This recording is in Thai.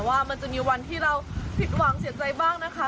ว่ามันจะมีวันที่เราผิดหวังเสียใจบ้างนะคะ